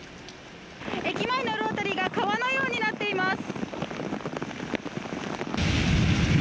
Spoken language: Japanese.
駅前のロータリーが川のようになっています。